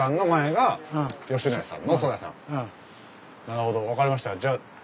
なるほど分かりました。